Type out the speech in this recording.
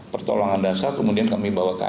pertolongan dasar kemudian kami bawa ke arah